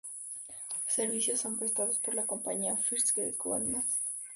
Los servicios son prestados por la compañía "First Great Western".